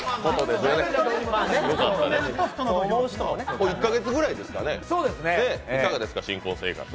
ここ１か月ぐらいですかね、どうですか新婚生活は。